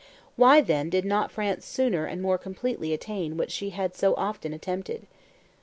Why then did not France sooner and more completely attain what she had so often attempted?